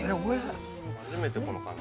◆初めてこの感じ。